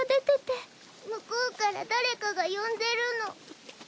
向こうから誰かが呼んでるの。